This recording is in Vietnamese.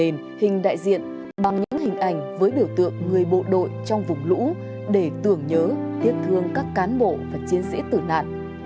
hình đại diện bằng những hình ảnh với biểu tượng người bộ đội trong vùng lũ để tưởng nhớ tiếc thương các cán bộ và chiến sĩ tử nạn